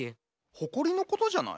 ほこりのことじゃない？